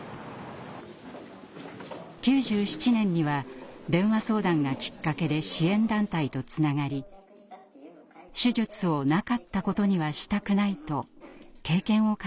９７年には電話相談がきっかけで支援団体とつながり手術をなかったことにはしたくないと経験を語るようになりました。